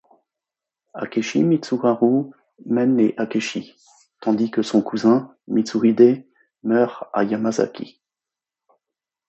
Akechi Mitsuharu mène les Akechi, tandis que son cousin, Mitsuhide, meurt à Yamazaki.